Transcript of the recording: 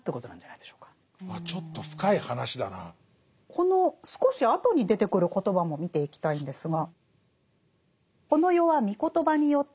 この少し後に出てくる言葉も見ていきたいんですが。